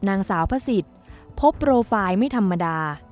นางสาวพระสิทธิ์พบโปรไฟล์ไม่ธรรมดา